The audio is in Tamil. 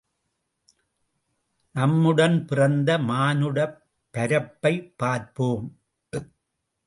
நம்முடன் பிறந்த மானுடப் பரப்பைப் பார்ப்போம்!